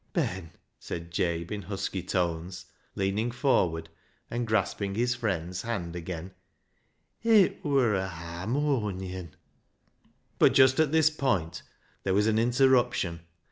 " Ben," said Jabe, in husky tones, leaning for ward and grasping his friend's hand again, " it wur a Jiannoniony But just at this point there was an interrup tion.